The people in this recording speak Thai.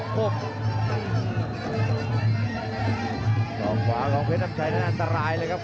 แล้วก็ตัดลบแต่จังหวานนี้เพชรน้ำชายรู้ทันแล้วครับ